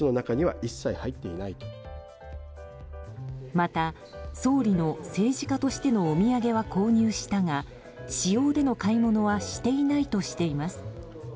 また、総理の政治家としてのお土産は購入したが私用での買い物はしていないとしています。